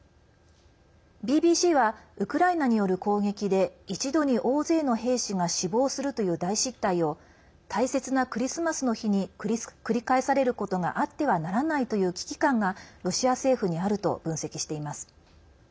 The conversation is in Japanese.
ＢＢＣはウクライナによる攻撃で一度に大勢の兵士が死亡するという大失態を大切なクリスマスの日に繰り返されることがあってはならないという危機感がロシア政府にあると分析しています。